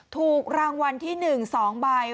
ถูกรางวัลที่หนึ่ง๒ใบ